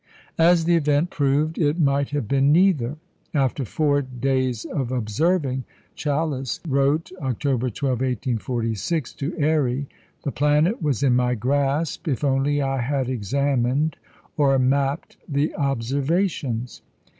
As the event proved, it might have been neither. "After four days of observing," Challis wrote, October 12, 1846, to Airy, "the planet was in my grasp if only I had examined or mapped the observations."